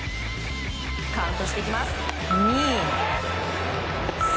カウントしていきます。